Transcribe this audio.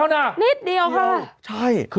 โอ้โหโอ้โห